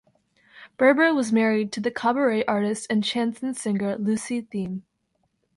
Berber was married to the cabaret artist and chanson singer Lucie Thiem.